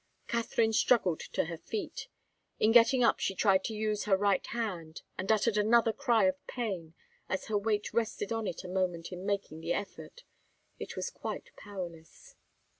Katharine struggled to her feet. In getting up she tried to use her right hand, and uttered another cry of pain, as her weight rested on it a moment in making the effort. It was quite powerless.